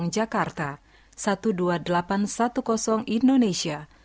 sembilan puluh jakarta dua belas ribu delapan ratus sepuluh indonesia